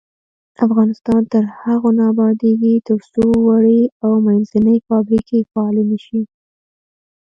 افغانستان تر هغو نه ابادیږي، ترڅو وړې او منځنۍ فابریکې فعالې نشي.